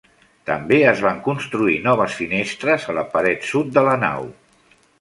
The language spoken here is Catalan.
També es van construir noves finestres a la paret sud de la nau.